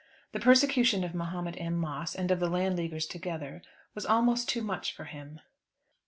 The persecution of Mahomet M. Moss and of the Landleaguers together was almost too much for him.